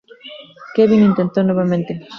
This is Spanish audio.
Kevin intentó nuevamente.